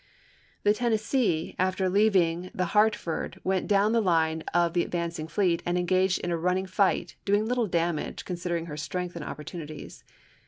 The Tennessee, after leaving the Hartford, went down the line of the advancing fleet and engaged in a running fight, doing little damage, considering her strength and opportunities.